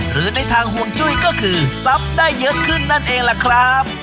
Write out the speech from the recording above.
หรือในทางห่วงจุ้ยก็คือทรัพย์ได้เยอะขึ้นนั่นเองล่ะครับ